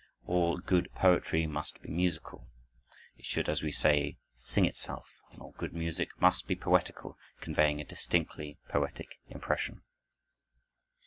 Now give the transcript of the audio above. All good poetry must be musical. It should, as we say, sing itself; and all good music must be poetical, conveying a distinctly poetic impression.